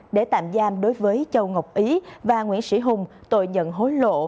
để tạm giam đối với châu ngọc ý và nguyễn sĩ hùng tội nhận hối lộ